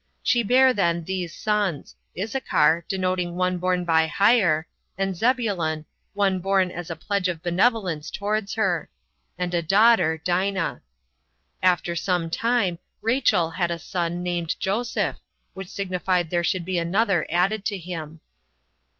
She bare then these sons: Issachar, denoting one born by hire: and Zabulon, one born as a pledge of benevolence towards her; and a daughter, Dina. After some time Rachel had a son, named Joseph, which signified there should be another added to him.